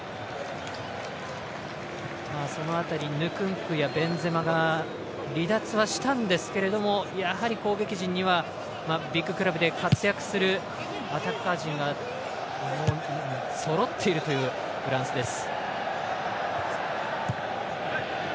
その辺り、ベンゼマが離脱はしたんですけれどもやはり攻撃陣にはビッグクラブで活躍するアタッカー陣がそろっているというフランスです。